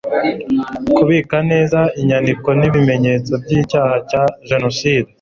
kubika neza inyandiko n'ibimenyetso by'icyaha cya jenoside